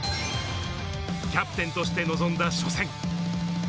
キャプテンとして臨んだ初戦。